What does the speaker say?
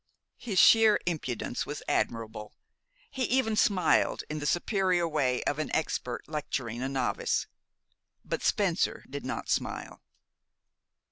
His sheer impudence was admirable. He even smiled in the superior way of an expert lecturing a novice. But Spencer did not smile.